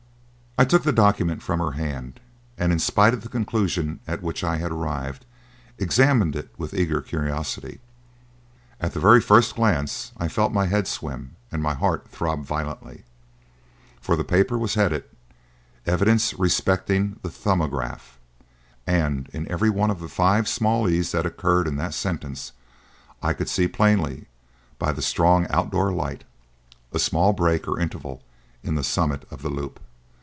I took the document from her hand and, in spite of the conclusion at which I had arrived, examined it with eager curiosity. And at the very first glance I felt my head swim and my heart throb violently. For the paper was headed: "Evidence respecting the Thumbograph," and in every one of the five small "e's" that occurred in that sentence I could see plainly by the strong out door light a small break or interval in the summit of the loop.